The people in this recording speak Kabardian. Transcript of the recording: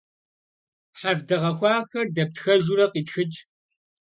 Хьэрф дэгъэхуахэр дэптхэжурэ къитхыкӏ.